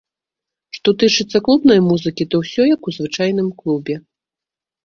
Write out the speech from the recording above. Што тычыцца клубнай музыкі, то ўсё як у звычайным клубе.